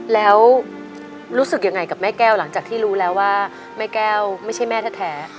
แล้วรู้สึกยังไงกับแม่แก้วหลังจากที่รู้แล้วว่าแม่แก้วไม่ใช่แม่แท้